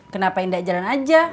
kenapa indah jalan aja